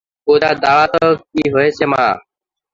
পূজা, দাড়া তো, কি হয়েছে মা?